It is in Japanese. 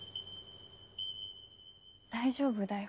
大丈夫だよ